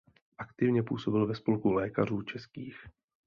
Aktivně působil ve Spolku lékařů českých.